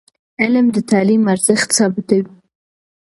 علم د تعلیم ارزښت ثابتوي.